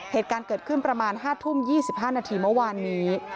เหตุการณ์เกิดขึ้นประมาณ๕ทุ่ม๒๕นาทีเมื่อวานนี้